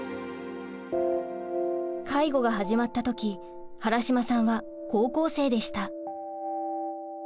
介護が始まった時原島さんは高校生でした。